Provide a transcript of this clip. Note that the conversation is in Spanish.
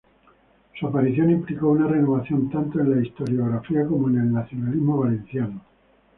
Su aparición implicó una renovación tanto en la historiografía como en el nacionalismo valenciano.